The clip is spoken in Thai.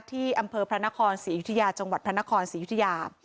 ที่อำเภอพระนครศรีอยุธยาจังหวัดพระนครศรียุธยา